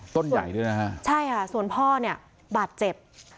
ต้นใหญ่ด้วยนะฮะใช่ค่ะส่วนพ่อเนี่ยบาดเจ็บ